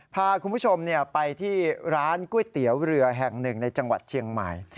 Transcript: พาคุณผู้ชมไปที่ร้านก๋วยเตี๋ยวเรือแห่งหนึ่งในจังหวัดเชียงใหม่